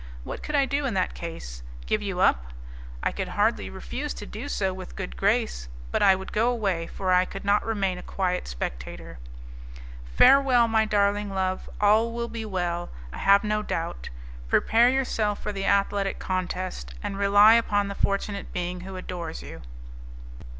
What could I do in that case? Give you up? I could hardly refuse to do so with good grace, but I would go away, for I could not remain a quiet spectator. "Farewell, my darling love; all will be well, I have no doubt. Prepare yourself for the athletic contest, and rely upon the fortunate being who adores you."